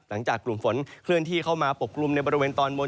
หลังจากกลุ่มฝนเคลื่อนที่เข้ามาปกกลุ่มในบริเวณตอนบน